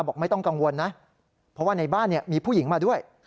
ไม่ต้องกังวลนะเพราะว่าในบ้านมีผู้หญิงมาด้วย